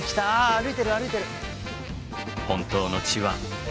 歩いてる歩いてる！